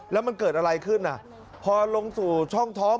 แล้วมันเกิดอะไรขึ้นพอลงสู่ช่องท้อง